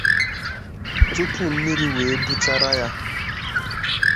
tupu mmiri wee buchara ya